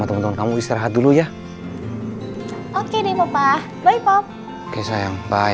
nonton kamu istirahat dulu ya oke deh papa bye pop oke sayang bye